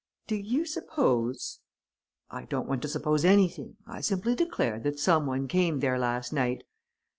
Do you suppose ...?" "I don't want to suppose anything. I simply declare that some one came there last night...."